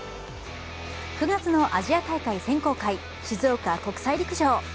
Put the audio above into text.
９月のアジア大会選考会、静岡国際陸上。